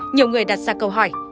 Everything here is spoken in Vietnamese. nhiều người đặt ra câu hỏi